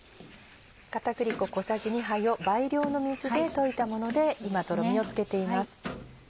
片栗粉小さじ２杯を倍量の水で溶いたもので今とろみをつけています。